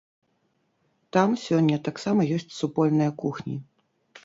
Там сёння таксама ёсць супольныя кухні.